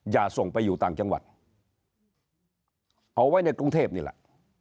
อย่าส่งไปอยู่ต่างจังหวัดเอาไว้ในกรุงเทพนี่แหละ